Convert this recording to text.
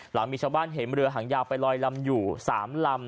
หลังมีชาวบ้านเห็นเรือหางยาวไปลอยลำอยู่๓ลำ